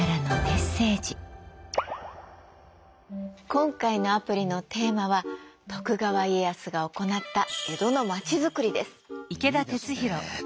今回のアプリのテーマは徳川家康が行った江戸のまちづくりです。